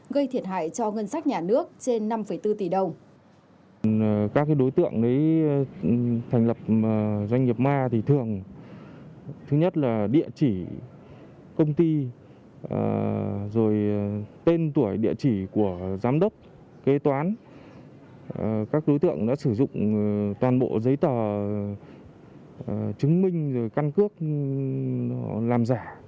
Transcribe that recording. gây thiệt hại cho ngân sách nhà nước trên năm bốn tỷ đồng